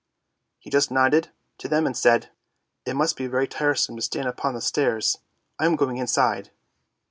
He just nodded to them and said, ' It must be very tiresome to stand upon the stairs. I am going inside!